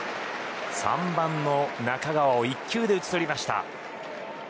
３番の中川を１球で打ち取りました。